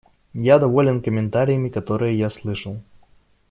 Я доволен комментариями, которые я слышал.